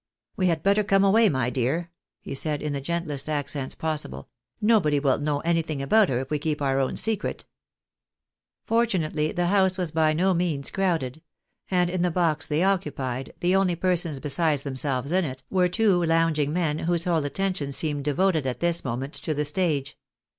" We had better come away, my dear," he said, in the gentlest accents possible. " Nobody will know anything about her if we keep our own secret." Fortunately the house was by no means crowded ; and in the box they occupied, the only persons besides themselves in it, were two lounging men, whose whole attention seemed devoted at this moment to the stage.